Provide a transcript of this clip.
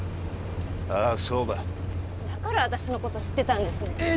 ああそうだだから私のこと知ってたんですねえー